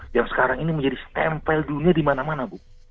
yang sekarang ini menjadi stempel dunia di mana mana bu